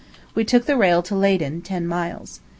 We took the rail to Leyden, ten miles.